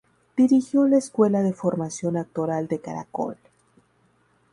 Dirigió la Escuela de Formación Actoral de Caracol.